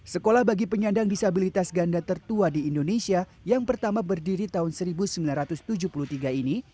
sekolah bagi penyandang disabilitas ganda tertua di indonesia yang pertama berdiri tahun seribu sembilan ratus tujuh puluh tiga ini